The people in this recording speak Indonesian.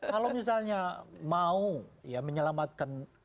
kalau misalnya mau menyelamatkan